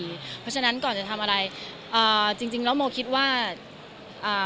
เพราะฉะนั้นก่อนจะทำอะไรอ่าจริงจริงแล้วโมคิดว่าอ่า